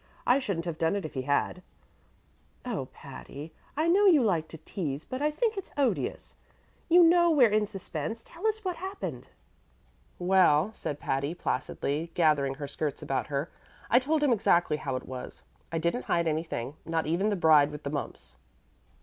"I shouldn't have done it if he had." "Oh, Patty, I know you like to tease, but I think it's odious. You know we're in suspense. Tell us what happened." "Well," said Patty, placidly gathering her skirts about her, "I told him exactly how it was. I didn't hide anything not even the bride with the mumps."